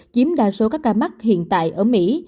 chiếm đa số các ca mắc hiện tại ở mỹ